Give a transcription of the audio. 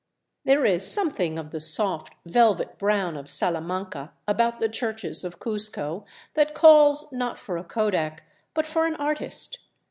There is something of the soft velvet brown of Salamanca about the churches of Cuzco, that calls, not for a kodak, but for an artist.